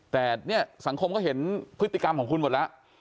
แต่เนี่ยสังคมก็เห็นพฤติกรรมของคุณหมดแล้ว